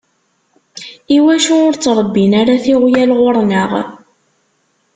Iwacu ur ttṛebbin ara tiɣyal ɣur-neɣ?